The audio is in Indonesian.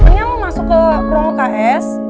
ini emang masuk ke kurung lks